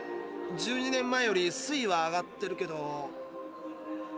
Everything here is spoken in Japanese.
１２年前より水位は上がってるけど。